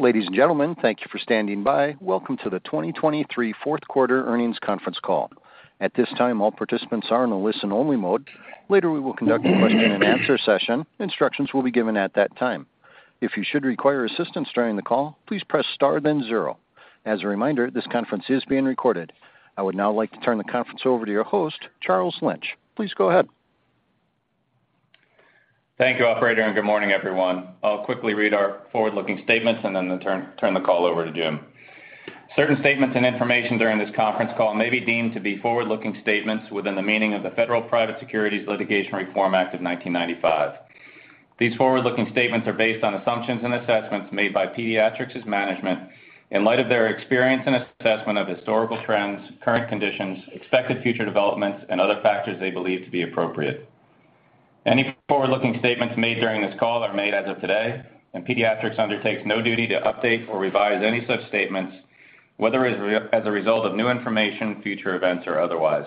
Ladies and gentlemen, thank you for standing by. Welcome to the 2023 fourth quarter earnings conference call. At this time, all participants are in a listen-only mode. Later, we will conduct a question and answer session. Instructions will be given at that time. If you should require assistance during the call, please press star, then zero. As a reminder, this conference is being recorded. I would now like to turn the conference over to your host, Charles Lynch. Please go ahead. Thank you, operator, and good morning, everyone. I'll quickly read our forward-looking statements and then turn the call over to Jim. Certain statements and information during this conference call may be deemed to be forward-looking statements within the meaning of the Federal Private Securities Litigation Reform Act of 1995. These forward-looking statements are based on assumptions and assessments made by Pediatrix's management in light of their experience and assessment of historical trends, current conditions, expected future developments, and other factors they believe to be appropriate. Any forward-looking statements made during this call are made as of today, and Pediatrix undertakes no duty to update or revise any such statements, whether as a result of new information, future events, or otherwise.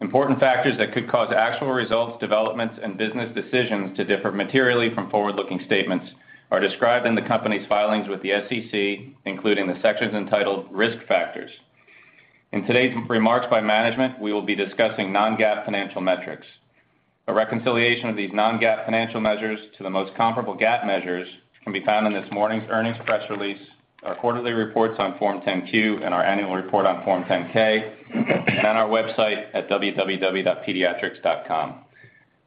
Important factors that could cause actual results, developments, and business decisions to differ materially from forward-looking statements are described in the company's filings with the SEC, including the sections entitled Risk Factors. In today's remarks by management, we will be discussing non-GAAP financial metrics. A reconciliation of these non-GAAP financial measures to the most comparable GAAP measures can be found in this morning's earnings press release, our quarterly reports on Form 10-Q, and our annual report on Form 10-K, and on our website at www.pediatrix.com.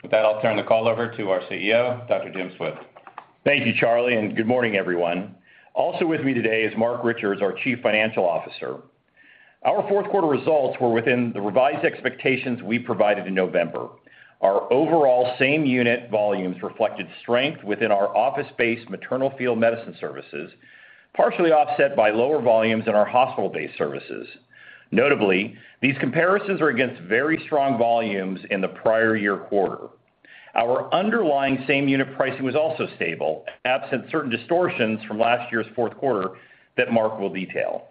With that, I'll turn the call over to our CEO, Dr. Jim Swift. Thank you, Charlie, and good morning, everyone. Also with me today is Marc Richards, our Chief Financial Officer. Our fourth quarter results were within the revised expectations we provided in November. Our overall same unit volumes reflected strength within our office-based maternal-fetal medicine services, partially offset by lower volumes in our hospital-based services. Notably, these comparisons are against very strong volumes in the prior year quarter. Our underlying same unit pricing was also stable, absent certain distortions from last year's fourth quarter that Marc will detail.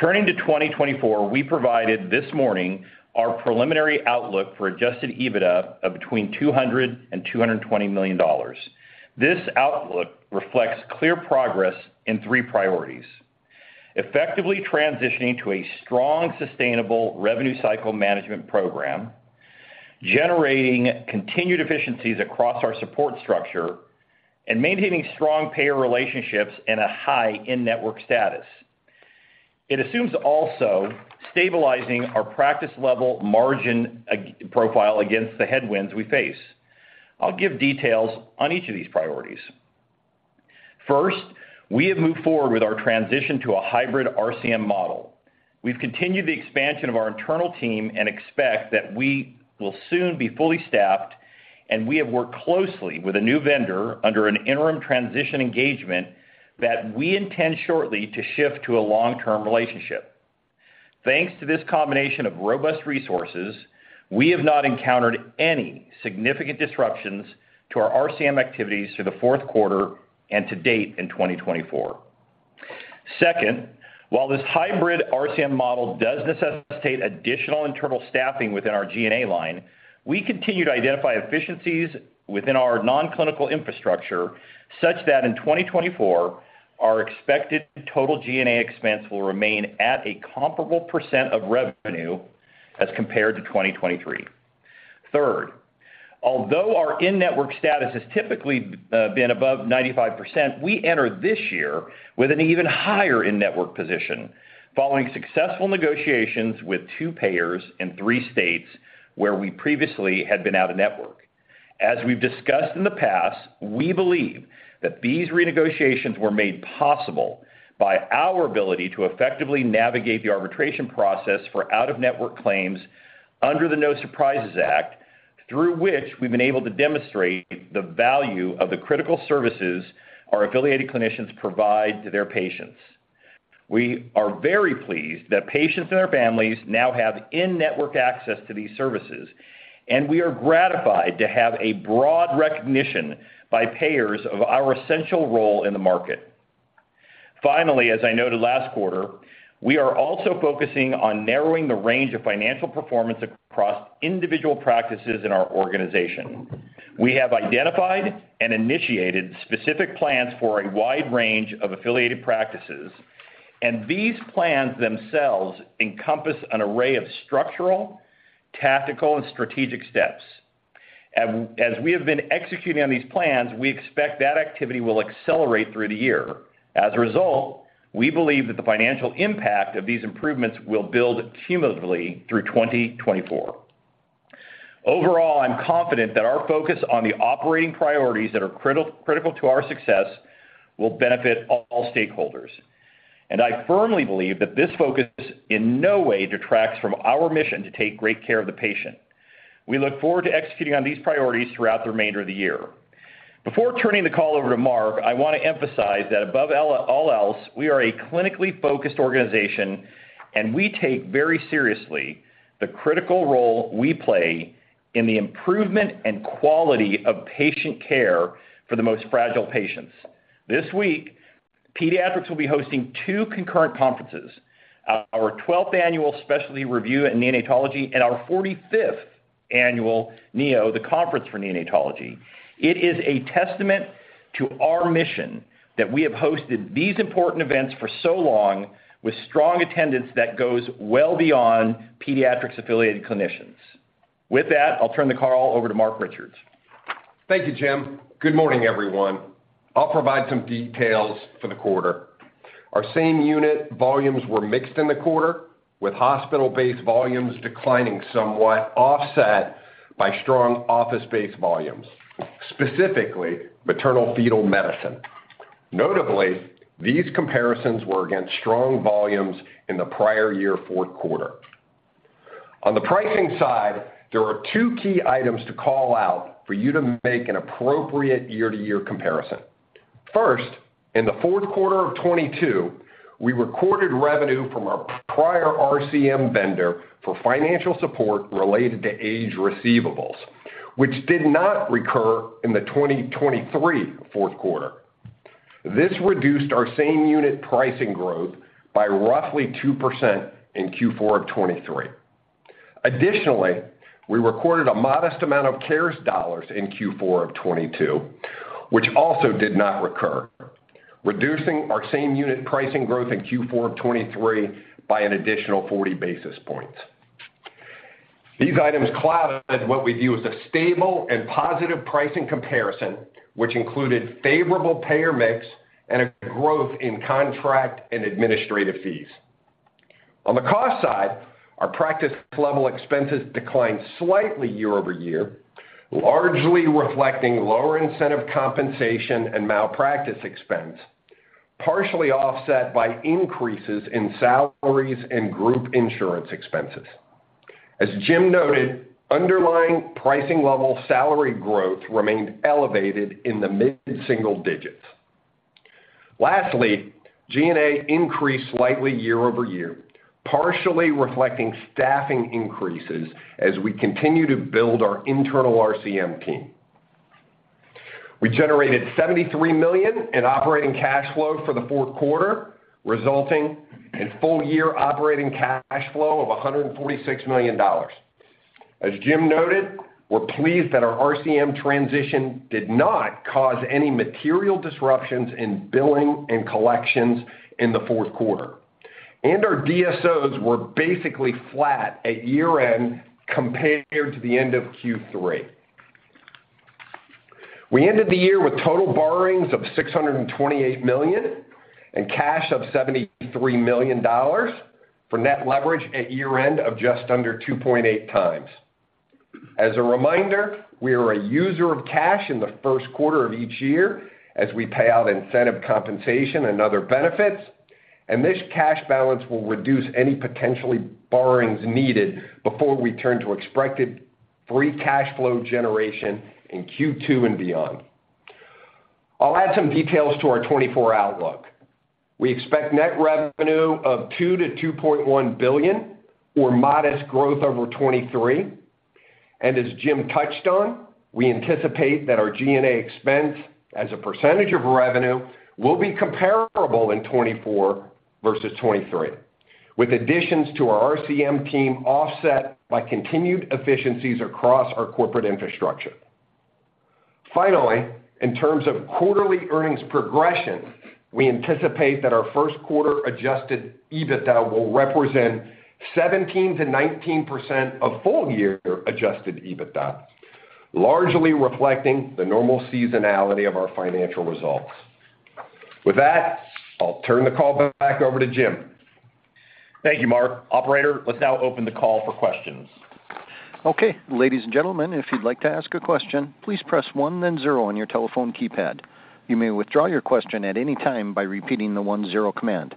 Turning to 2024, we provided this morning our preliminary outlook for adjusted EBITDA of between $200 million and $220 million. This outlook reflects clear progress in three priorities: effectively transitioning to a strong, sustainable revenue cycle management program, generating continued efficiencies across our support structure, and maintaining strong payer relationships and a high in-network status. It assumes also stabilizing our practice-level margin profile against the headwinds we face. I'll give details on each of these priorities. First, we have moved forward with our transition to a hybrid RCM model. We've continued the expansion of our internal team and expect that we will soon be fully staffed, and we have worked closely with a new vendor under an interim transition engagement that we intend shortly to shift to a long-term relationship. Thanks to this combination of robust resources, we have not encountered any significant disruptions to our RCM activities through the fourth quarter and to date in 2024. Second, while this hybrid RCM model does necessitate additional internal staffing within our G&A line, we continue to identify efficiencies within our nonclinical infrastructure, such that in 2024, our expected total G&A expense will remain at a comparable percent of revenue as compared to 2023. Third, although our in-network status has typically been above 95%, we entered this year with an even higher in-network position, following successful negotiations with two payers in three states where we previously had been out-of-network. As we've discussed in the past, we believe that these renegotiations were made possible by our ability to effectively navigate the arbitration process for out-of-network claims under the No Surprises Act, through which we've been able to demonstrate the value of the critical services our affiliated clinicians provide to their patients. We are very pleased that patients and their families now have in-network access to these services, and we are gratified to have a broad recognition by payers of our essential role in the market. Finally, as I noted last quarter, we are also focusing on narrowing the range of financial performance across individual practices in our organization. We have identified and initiated specific plans for a wide range of affiliated practices, and these plans themselves encompass an array of structural, tactical, and strategic steps. As we have been executing on these plans, we expect that activity will accelerate through the year. As a result, we believe that the financial impact of these improvements will build cumulatively through 2024. Overall, I'm confident that our focus on the operating priorities that are critical to our success will benefit all stakeholders, and I firmly believe that this focus in no way detracts from our mission to take great care of the patient. We look forward to executing on these priorities throughout the remainder of the year. Before turning the call over to Marc, I want to emphasize that above all else, we are a clinically focused organization, and we take very seriously the critical role we play in the improvement and quality of patient care for the most fragile patients. This week, Pediatrix will be hosting two concurrent conferences, our twelfth annual Specialty Review in Neonatology, and our forty-fifth annual NEO, The Conference for Neonatology. It is a testament to our mission that we have hosted these important events for so long, with strong attendance that goes well beyond Pediatrix-affiliated clinicians. With that, I'll turn the call over to Marc Richards. Thank you, Jim. Good morning, everyone. I'll provide some details for the quarter. Our same-unit volumes were mixed in the quarter, with hospital-based volumes declining somewhat, offset by strong office-based volumes, specifically maternal-fetal medicine. Notably, these comparisons were against strong volumes in the prior year fourth quarter. On the pricing side, there are two key items to call out for you to make an appropriate year-to-year comparison. First, in the fourth quarter of 2022, we recorded revenue from our prior RCM vendor for financial support related to aged receivables, which did not recur in the 2023 fourth quarter. This reduced our same-unit pricing growth by roughly 2% in Q4 of 2023. Additionally, we recorded a modest amount of CARES dollars in Q4 of 2022, which also did not recur, reducing our same-unit pricing growth in Q4 of 2023 by an additional 40 basis points. These items clouded what we view as a stable and positive pricing comparison, which included favorable payer mix and a growth in contract and administrative fees. On the cost side, our practice level expenses declined slightly year-over-year, largely reflecting lower incentive compensation and malpractice expense, partially offset by increases in salaries and group insurance expenses. As Jim noted, underlying pricing level salary growth remained elevated in the mid-single digits. Lastly, G&A increased slightly year-over-year, partially reflecting staffing increases as we continue to build our internal RCM team. We generated $73 million in operating cash flow for the fourth quarter, resulting in full-year operating cash flow of $146 million. As Jim noted, we're pleased that our RCM transition did not cause any material disruptions in billing and collections in the fourth quarter, and our DSOs were basically flat at year-end compared to the end of Q3. We ended the year with total borrowings of $628 million, and cash of $73 million, for net leverage at year-end of just under 2.8 times. As a reminder, we are a user of cash in the first quarter of each year as we pay out incentive compensation and other benefits, and this cash balance will reduce any potential borrowings needed before we turn to expected free cash flow generation in Q2 and beyond. I'll add some details to our 2024 outlook. We expect net revenue of $2-$2.1 billion, or modest growth over 2023. As Jim touched on, we anticipate that our G&A expense as a percentage of revenue will be comparable in 2024 versus 2023, with additions to our RCM team offset by continued efficiencies across our corporate infrastructure. Finally, in terms of quarterly earnings progression, we anticipate that our first quarter Adjusted EBITDA will represent 17%-19% of full-year Adjusted EBITDA, largely reflecting the normal seasonality of our financial results. With that, I'll turn the call back over to Jim. Thank you, Marc. Operator, let's now open the call for questions. Okay, ladies and gentlemen, if you'd like to ask a question, please press one, then zero on your telephone keypad. You may withdraw your question at any time by repeating the one-zero command.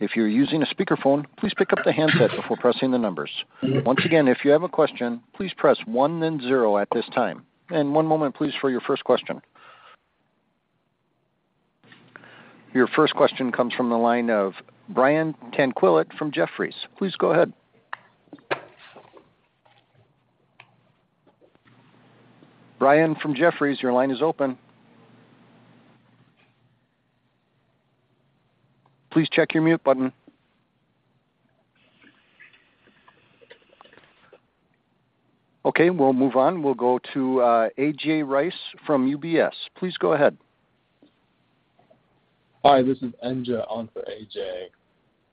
If you're using a speakerphone, please pick up the handset before pressing the numbers. Once again, if you have a question, please press one, then zero at this time. One moment, please, for your first question. Your first question comes from the line of Brian Tanquilut from Jefferies. Please go ahead. Brian from Jefferies, your line is open. Please check your mute button. Okay, we'll move on. We'll go to A.J. Rice from UBS. Please go ahead. Hi, this is Anja on for A.J.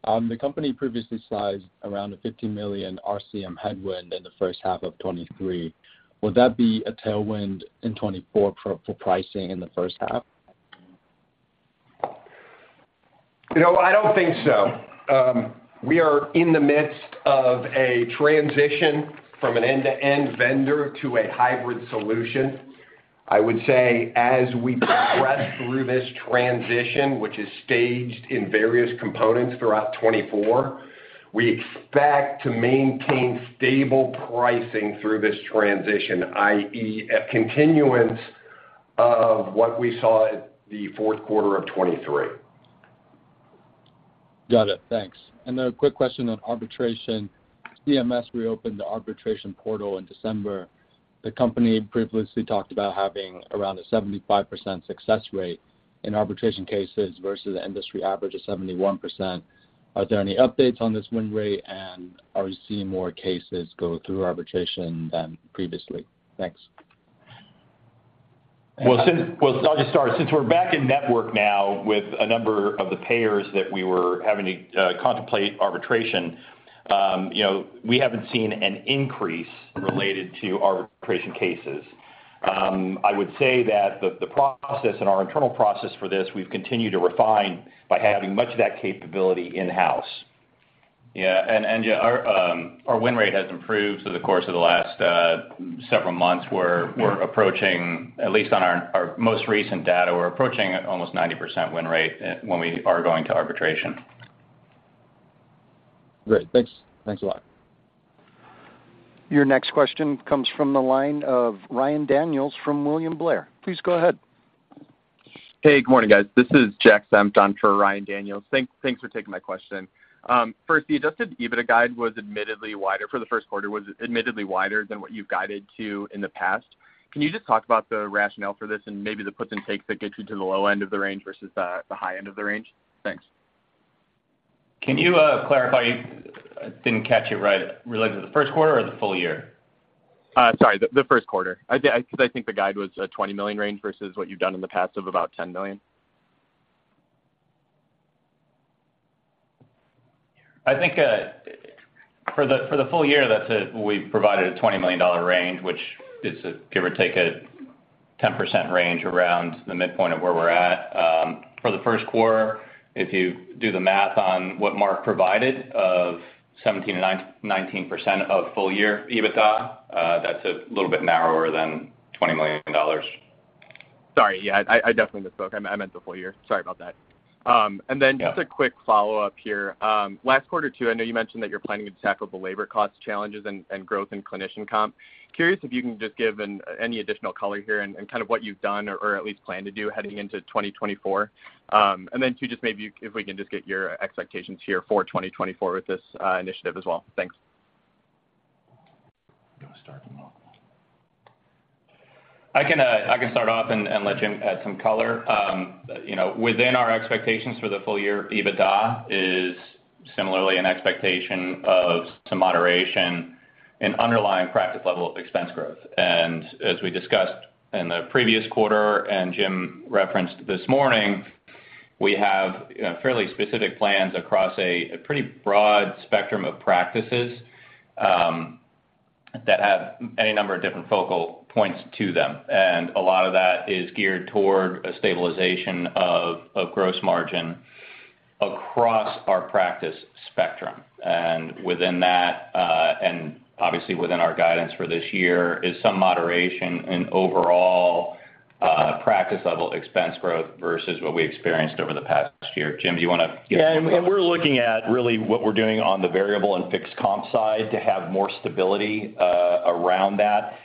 The company previously sized around a $50 million RCM headwind in the first half of 2023. Would that be a tailwind in 2024 for pricing in the first half? You know, I don't think so. We are in the midst of a transition from an end-to-end vendor to a hybrid solution. I would say as we progress through this transition, which is staged in various components throughout 2024, we expect to maintain stable pricing through this transition, i.e., a continuance of what we saw in the fourth quarter of 2023. Got it. Thanks. A quick question on arbitration. CMS reopened the arbitration portal in December.... The company previously talked about having around a 75% success rate in arbitration cases versus the industry average of 71%. Are there any updates on this win rate, and are we seeing more cases go through arbitration than previously? Thanks. Well, I'll just start. Since we're back in network now with a number of the payers that we were having to contemplate arbitration, you know, we haven't seen an increase related to arbitration cases. I would say that the process and our internal process for this, we've continued to refine by having much of that capability in-house. Our win rate has improved through the course of the last several months, where we're approaching, at least on our most recent data, we're approaching almost 90% win rate when we are going to arbitration. Great. Thanks. Thanks a lot. Your next question comes from the line of Ryan Daniels from William Blair. Please go ahead. Hey, good morning, guys. This is Jack Senft for Ryan Daniels. Thanks for taking my question. First, the adjusted EBITDA guide was admittedly wider, for the first quarter, was admittedly wider than what you've guided to in the past. Can you just talk about the rationale for this and maybe the puts and takes that gets you to the low end of the range versus the, the high end of the range? Thanks. Can you clarify? I didn't catch it right. Related to the first quarter or the full year? Sorry, the first quarter. I think because I think the guide was a $20 million range versus what you've done in the past of about $10 million. I think, for the full year, that's it, we've provided a $20 million range, which is give or take a 10% range around the midpoint of where we're at. For the first quarter, if you do the math on what Marc provided of 17%-19% of full year EBITDA, that's a little bit narrower than $20 million. Sorry. Yeah, I definitely misspoke. I meant the full year. Sorry about that. And then- Yeah. Just a quick follow-up here. Last quarter, too, I know you mentioned that you're planning to tackle the labor cost challenges and growth in clinician comp. Curious if you can just give any additional color here and kind of what you've done or at least plan to do heading into 2024. And then, two, just maybe if we can just get your expectations here for 2024 with this initiative as well. Thanks. You want to start him off? I can start off and let Jim add some color. You know, within our expectations for the full year, EBITDA is similarly an expectation of some moderation in underlying practice level expense growth. And as we discussed in the previous quarter and Jim referenced this morning, we have, you know, fairly specific plans across a pretty broad spectrum of practices that have any number of different focal points to them. And a lot of that is geared toward a stabilization of gross margin across our practice spectrum. And within that, and obviously within our guidance for this year, is some moderation in overall practice level expense growth versus what we experienced over the past year. Jim, do you want to give some thoughts? Yeah, and we're looking at really what we're doing on the variable and fixed comp side to have more stability around that.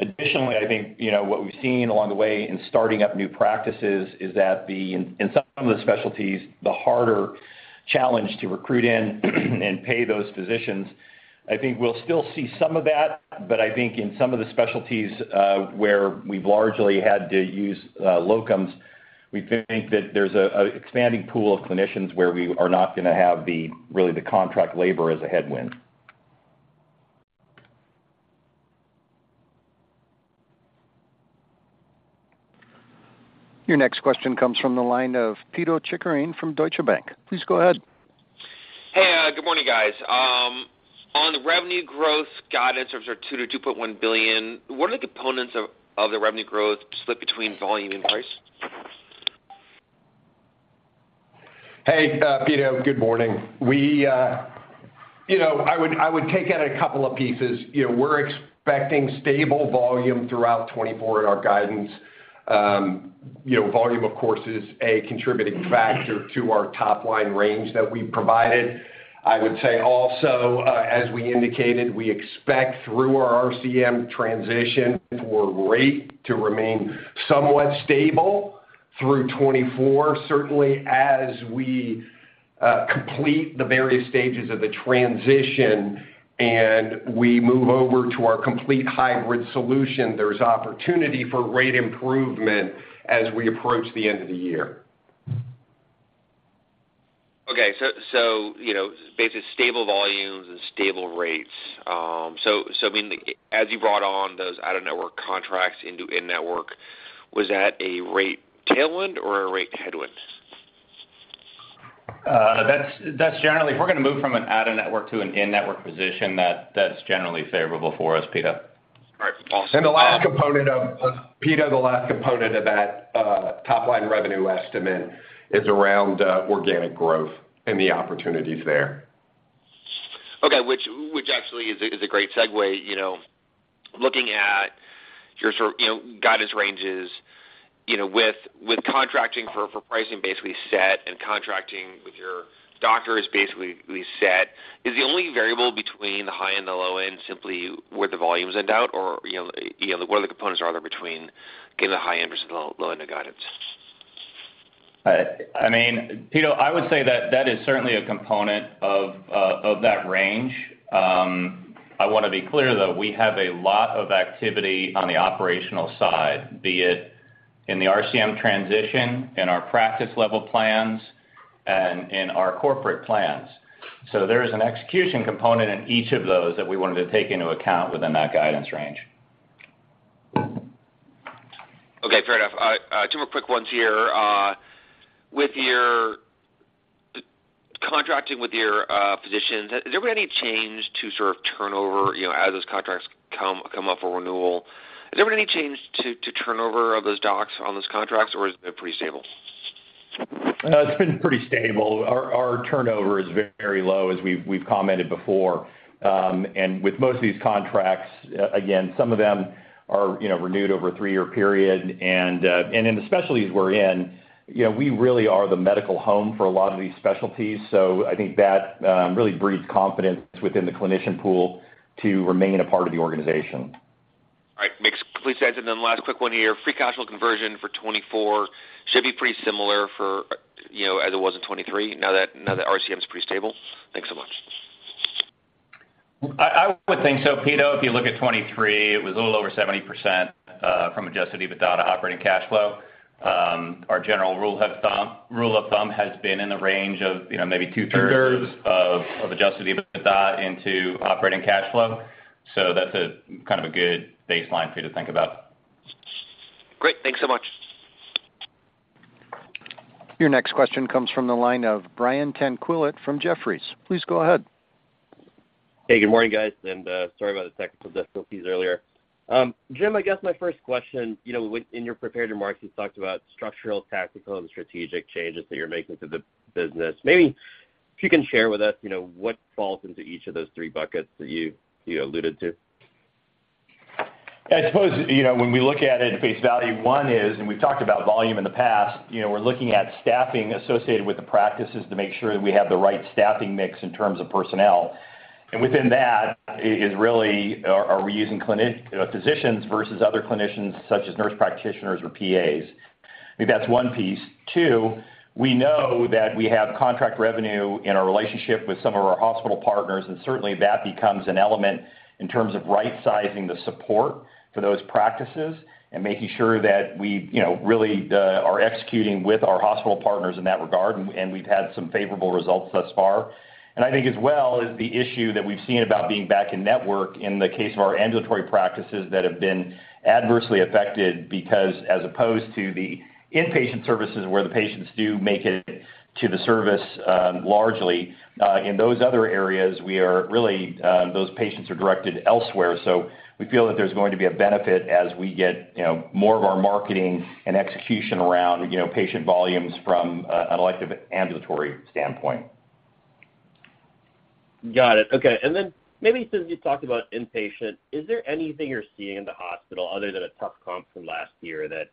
Additionally, I think, you know, what we've seen along the way in starting up new practices is that in some of the specialties, the harder challenge to recruit in and pay those physicians, I think we'll still see some of that, but I think in some of the specialties where we've largely had to use locums, we think that there's an expanding pool of clinicians where we are not gonna have really the contract labor as a headwind. Your next question comes from the line of Pito Chickering from Deutsche Bank. Please go ahead. Hey, good morning, guys. On the revenue growth guidance of $2 billion-$2.1 billion, what are the components of the revenue growth split between volume and price? Hey, Pito, good morning. We, you know, I would, I would take out a couple of pieces. You know, we're expecting stable volume throughout 2024 in our guidance. You know, volume, of course, is a contributing factor to our top-line range that we provided. I would say also, as we indicated, we expect through our RCM transition, for rate to remain somewhat stable through 2024. Certainly, as we complete the various stages of the transition and we move over to our complete hybrid solution, there's opportunity for rate improvement as we approach the end of the year. Okay, so you know, basically stable volumes and stable rates. I mean, as you brought on those out-of-network contracts into in-network, was that a rate tailwind or a rate headwind? That's generally. If we're gonna move from an out-of-network to an in-network position, that's generally favorable for us, Pito. Right. The last component of, Pito, the last component of that top-line revenue estimate is around organic growth and the opportunities there. Okay, which actually is a great segue, you know, looking at your sort of, you know, guidance ranges, you know, with contracting for pricing basically set and contracting with your doctors basically set, is the only variable between the high and the low end simply where the volumes end out? Or, you know, what are the components are there between getting the high end versus the low end of guidance?... I mean, Pito, I would say that that is certainly a component of that range. I wanna be clear, though, we have a lot of activity on the operational side, be it in the RCM transition, in our practice level plans, and in our corporate plans. So there is an execution component in each of those that we wanted to take into account within that guidance range. Okay, fair enough. Two more quick ones here. With your contracting with your physicians, has there been any change to sort of turnover, you know, as those contracts come up for renewal? Has there been any change to turnover of those docs on those contracts, or has it been pretty stable? It's been pretty stable. Our turnover is very low, as we've commented before. With most of these contracts, again, some of them are, you know, renewed over a three-year period. In the specialties we're in, you know, we really are the medical home for a lot of these specialties. So I think that really breeds confidence within the clinician pool to remain a part of the organization. All right, makes complete sense. And then last quick one here: free cash flow conversion for 2024 should be pretty similar for, you know, as it was in 2023, now that, now that RCM is pretty stable? Thanks so much. I, I would think so, Pito. If you look at 2023, it was a little over 70%, from Adjusted EBITDA to operating cash flow. Our general rule of thumb, rule of thumb has been in the range of, you know, maybe two-thirds- Two-thirds of Adjusted EBITDA into operating cash flow. So that's a kind of a good baseline for you to think about. Great. Thanks so much. Your next question comes from the line of Brian Tanquilit from Jefferies. Please go ahead. Hey, good morning, guys, and sorry about the technical difficulties earlier. Jim, I guess my first question, you know, within your prepared remarks, you talked about structural, tactical, and strategic changes that you're making to the business. Maybe if you can share with us, you know, what falls into each of those three buckets that you alluded to? I suppose, you know, when we look at it at face value, one is, and we've talked about volume in the past, you know, we're looking at staffing associated with the practices to make sure that we have the right staffing mix in terms of personnel. And within that is really, are we using clinical physicians versus other clinicians, such as nurse practitioners or PAs? I think that's one piece. Two, we know that we have contract revenue in our relationship with some of our hospital partners, and certainly, that becomes an element in terms of right-sizing the support for those practices and making sure that we, you know, really, are executing with our hospital partners in that regard, and we've had some favorable results thus far. And I think as well, is the issue that we've seen about being back in network in the case of our ambulatory practices that have been adversely affected, because as opposed to the inpatient services, where the patients do make it to the service, largely, in those other areas, we are really, those patients are directed elsewhere. So we feel that there's going to be a benefit as we get, you know, more of our marketing and execution around, you know, patient volumes from, an elective ambulatory standpoint. Got it. Okay, and then maybe since you talked about inpatient, is there anything you're seeing in the hospital other than a tough comp from last year that,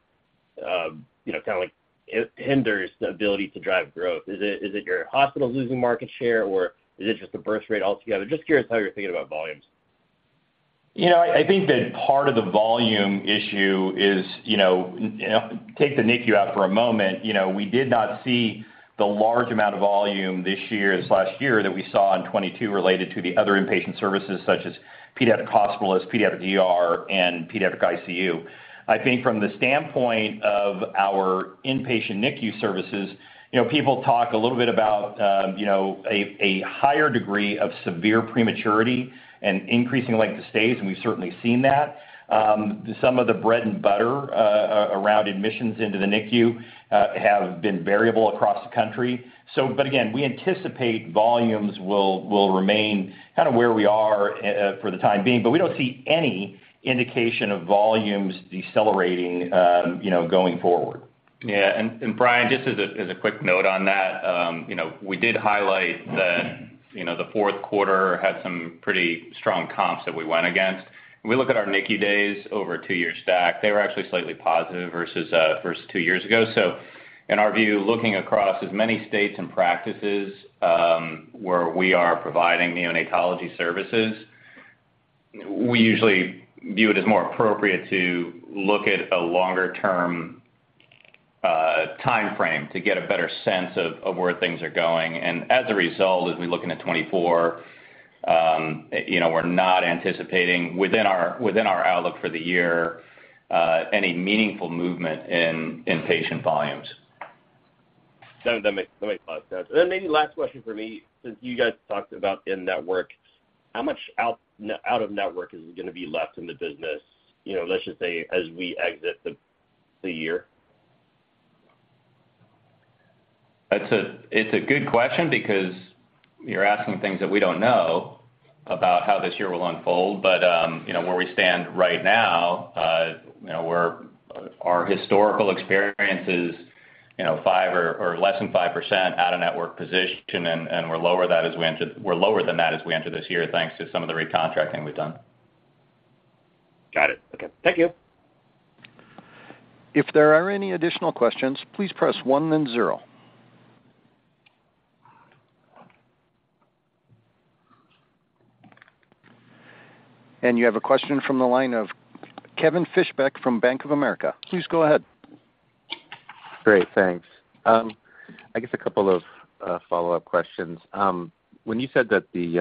you know, kinda like, it hinders the ability to drive growth? Is it, is it your hospitals losing market share, or is it just the birth rate altogether? Just curious how you're thinking about volumes. You know, I think that part of the volume issue is, you know, take the NICU out for a moment. You know, we did not see the large amount of volume this year as last year that we saw in 2022 related to the other inpatient services, such as pediatric hospitalists, pediatric ER, and pediatric ICU. I think from the standpoint of our inpatient NICU services, you know, people talk a little bit about, you know, a higher degree of severe prematurity and increasing length of stays, and we've certainly seen that. Some of the bread and butter around admissions into the NICU have been variable across the country. So but again, we anticipate volumes will remain kind of where we are for the time being, but we don't see any indication of volumes decelerating, you know, going forward. Yeah, and, and Brian, just as a, as a quick note on that, you know, we did highlight that, you know, the fourth quarter had some pretty strong comps that we went against. When we look at our NICU days over a two-year stack, they were actually slightly positive versus, versus two years ago. So in our view, looking across as many states and practices, where we are providing neonatology services, we usually view it as more appropriate to look at a longer-term, timeframe to get a better sense of, of where things are going. And as a result, as we look into 2024, you know, we're not anticipating, within our, within our outlook for the year, any meaningful movement in inpatient volumes. That makes a lot of sense. Then maybe last question for me, since you guys talked about in-network. How much out-of-network is gonna be left in the business, you know, let's just say, as we exit the year? That's a good question because you're asking things that we don't know about how this year will unfold. But, you know, where we stand right now, you know, our historical experience is, you know, 5 or less than 5% out-of-network position, and we're lower than that as we enter this year, thanks to some of the recontracting we've done. Got it. Okay. Thank you. If there are any additional questions, please press one then zero.... And you have a question from the line of Kevin Fischbeck from Bank of America. Please go ahead. Great, thanks. I guess a couple of follow-up questions. When you said that the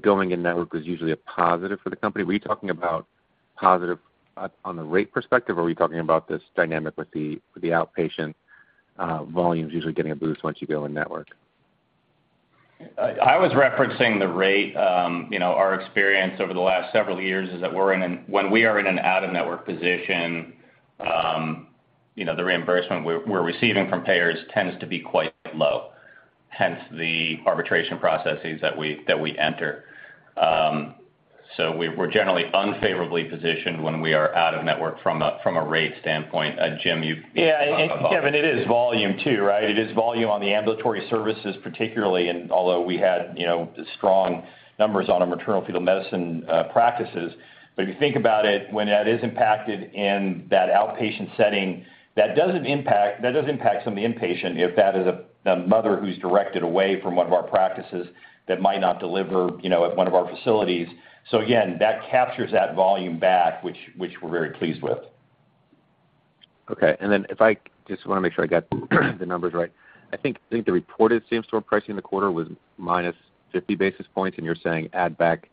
going-in network was usually a positive for the company, were you talking about positive at, on the rate perspective, or were you talking about this dynamic with the outpatient volumes usually getting a boost once you go in-network? I was referencing the rate. You know, our experience over the last several years is that when we are in an out-of-network position, you know, the reimbursement we're receiving from payers tends to be quite low, hence the arbitration processes that we enter. So we're generally unfavorably positioned when we are out-of-network from a rate standpoint. Jim, you- Yeah, and Kevin, it is volume too, right? It is volume on the ambulatory services, particularly, and although we had, you know, strong numbers on our maternal-fetal medicine practices. But if you think about it, when that is impacted in that outpatient setting, that doesn't impact, that does impact some of the inpatient, if that is a mother who's directed away from one of our practices that might not deliver, you know, at one of our facilities. So again, that captures that volume back, which we're very pleased with. Okay. And then if I just wanna make sure I got the numbers right. I think, I think the reported same-store pricing in the quarter was -50 basis points, and you're saying add back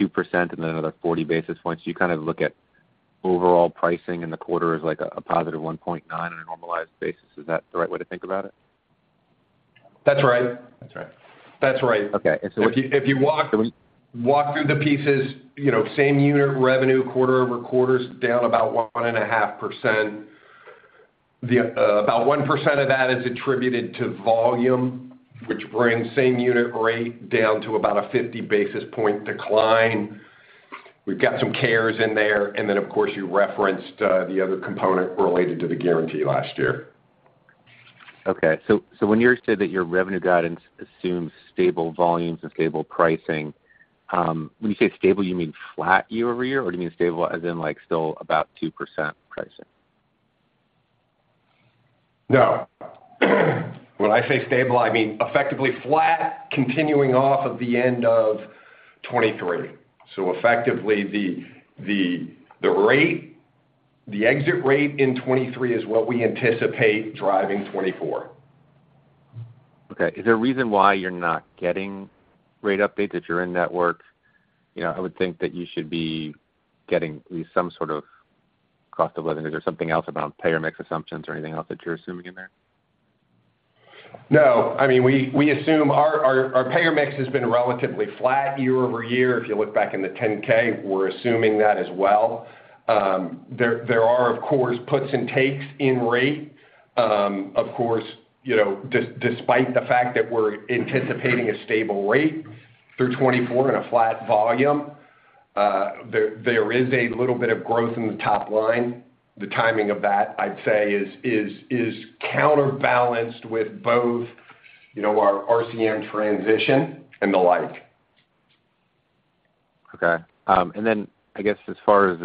2% and then another 40 basis points. You kind of look at overall pricing in the quarter as like a, a positive 1.9 on a normalized basis. Is that the right way to think about it? That's right. That's right. That's right. Okay, and so- If you walk- So- Walk through the pieces, you know, same unit revenue quarter over quarter is down about 1.5%. The, about 1% of that is attributed to volume, which brings same unit rate down to about a 50 basis point decline. We've got some CARES in there, and then, of course, you referenced the other component related to the guarantee last year. Okay. So when you said that your revenue guidance assumes stable volumes and stable pricing, when you say stable, you mean flat year-over-year, or do you mean stable as in, like, still about 2% pricing? No, when I say stable, I mean effectively flat, continuing off of the end of 2023. So effectively, the rate, the exit rate in 2023 is what we anticipate driving 2024. Okay. Is there a reason why you're not getting rate updates, that you're in-network? You know, I would think that you should be getting at least some sort of cost of living. Is there something else around payer mix assumptions or anything else that you're assuming in there? No. I mean, we assume our payer mix has been relatively flat year-over-year. If you look back in the 10-K, we're assuming that as well. There are, of course, puts and takes in rate. Of course, you know, despite the fact that we're anticipating a stable rate through 2024 and a flat volume, there is a little bit of growth in the top line. The timing of that, I'd say, is counterbalanced with both, you know, our RCM transition and the like. Okay. And then I guess as far as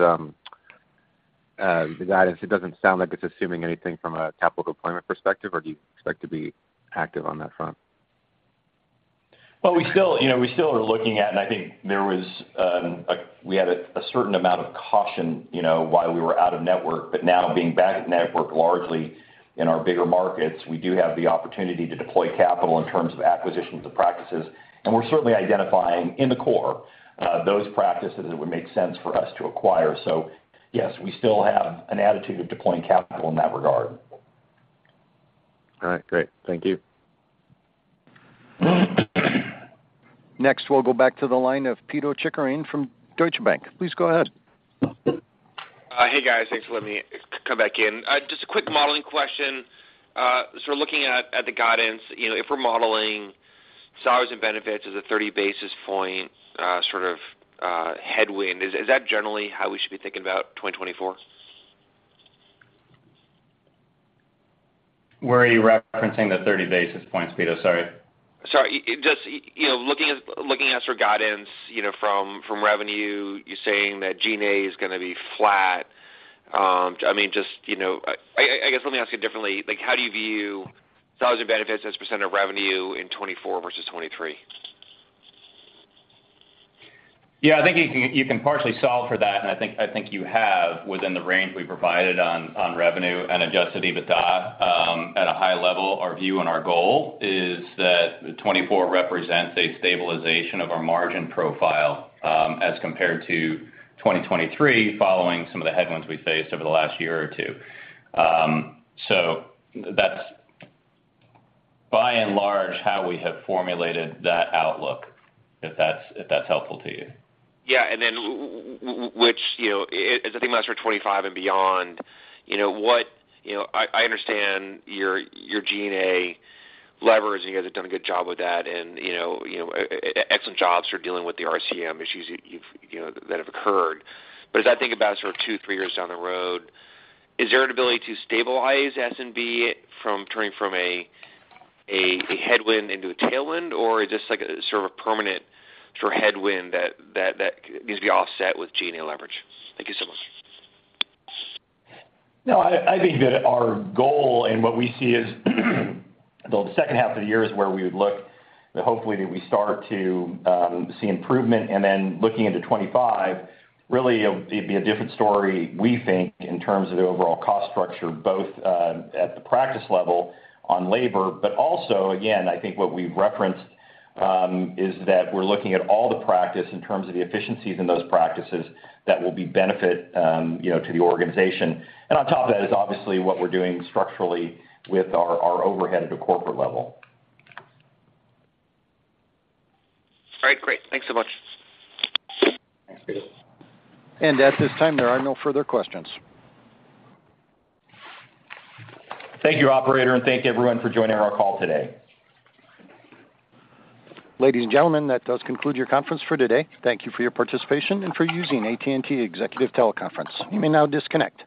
the guidance, it doesn't sound like it's assuming anything from a capital deployment perspective, or do you expect to be active on that front? Well, we still, you know, we still are looking at... I think there was, we had a certain amount of caution, you know, while we were out-of-network. But now, being back in-network, largely in our bigger markets, we do have the opportunity to deploy capital in terms of acquisitions of practices. We're certainly identifying, in the core, those practices that would make sense for us to acquire. So yes, we still have an attitude of deploying capital in that regard. All right, great. Thank you. Next, we'll go back to the line of Pito Chickering from Deutsche Bank. Please go ahead. Hey, guys. Thanks for letting me come back in. Just a quick modeling question. So we're looking at the guidance, you know, if we're modeling salaries and benefits as a 30 basis point sort of headwind. Is that generally how we should be thinking about 2024? Where are you referencing the 30 basis points, Pito? Sorry. Sorry. I just, you know, looking at your guidance, you know, from revenue, you're saying that G&A is gonna be flat. I mean, just, you know, I guess, let me ask it differently: like, how do you view salaries and benefits as a % of revenue in 2024 versus 2023? Yeah, I think you can, you can partially solve for that, and I think, I think you have within the range we provided on, on revenue and Adjusted EBITDA. At a high level, our view and our goal is that 2024 represents a stabilization of our margin profile, as compared to 2023, following some of the headwinds we faced over the last year or two. So that's by and large, how we have formulated that outlook, if that's, if that's helpful to you. Yeah, and then which, you know, as I think about for 25 and beyond, you know, what... You know, I understand your G&A levers, you guys have done a good job with that and, you know, excellent job for dealing with the RCM issues you've, you know, that have occurred. But as I think about sort of two, three years down the road, is there an ability to stabilize S&B from turning from a headwind into a tailwind, or is this like a sort of a permanent sort of headwind that needs to be offset with G&A leverage? Thank you so much. No, I, I think that our goal and what we see is, the second half of the year is where we would look, hopefully, that we start to see improvement. And then looking into 2025, really it'll, it'd be a different story, we think, in terms of the overall cost structure, both at the practice level on labor. But also, again, I think what we've referenced is that we're looking at all the practice in terms of the efficiencies in those practices that will be benefit, you know, to the organization. And on top of that is obviously what we're doing structurally with our, our overhead at a corporate level. All right, great. Thanks so much. Thanks, Pito. At this time, there are no further questions. Thank you, operator, and thank you everyone for joining our call today. Ladies and gentlemen, that does conclude your conference for today. Thank you for your participation and for using AT&T Executive Teleconference. You may now disconnect.